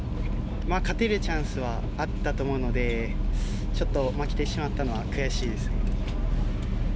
勝てるチャンスはあったと思うのでちょっと負けてしまったのは悔しいです。